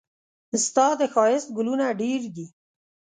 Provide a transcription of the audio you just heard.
ستا د ښايست ګلونه ډېر دي.